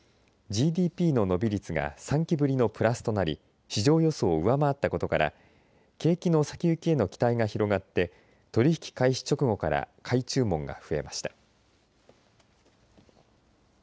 ＧＤＰの伸び率が３期ぶりのプラスとなり市場予想を上回ったことから景気の先行きへの期待が広がって取り引き開始直後から買い注文が増えました。